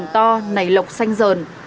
to nảy lọc xanh dờn